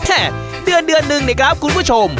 เดือนเดือนนึงเนี่ยครับคุณผู้ชม